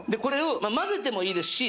混ぜてもいいですし。